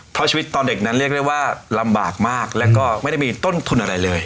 เพราะชีวิตตอนเด็กนั้นเรียกได้ว่าลำบากมากแล้วก็ไม่ได้มีต้นทุนอะไรเลย